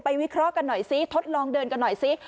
วิเคราะห์กันหน่อยซิทดลองเดินกันหน่อยซิ